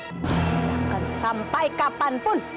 bahkan sampai kapanpun